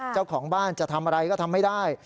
เจ้าของบ้านจะทำอะไรก็ทำไม่ได้